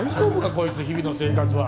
こいつ日々の生活は。